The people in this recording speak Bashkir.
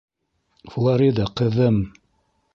Флорида, ҡыҙым!..